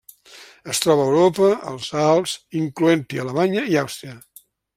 Es troba a Europa: els Alps, incloent-hi Alemanya i Àustria.